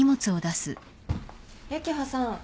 幸葉さん